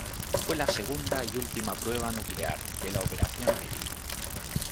Fue la segunda y última prueba nuclear de la operación Ivy.